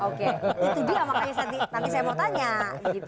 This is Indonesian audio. oke itu dia makanya nanti saya mau tanya